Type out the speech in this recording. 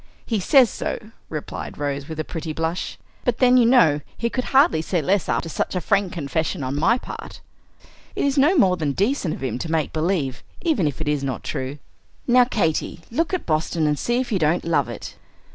"He says so," replied Rose, with a pretty blush. "But then, you know, he could hardly say less after such a frank confession on my part. It is no more than decent of him to make believe, even if it is not true. Now, Katy, look at Boston, and see if you don't love it!"